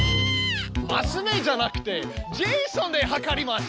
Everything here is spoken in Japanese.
マス目じゃなくてジェイソンではかります。